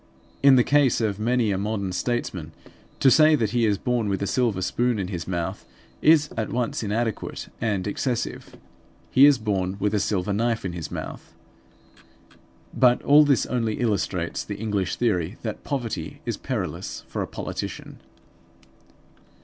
In the case of many a modern statesman to say that he is born with a silver spoon in his mouth, is at once inadequate and excessive. He is born with a silver knife in his mouth. But all this only illustrates the English theory that poverty is perilous for a politician.